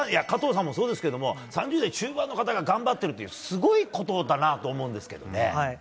加藤さんもそうですけど３０代中盤の方が頑張ってるというすごいことだなと思うんですけどね。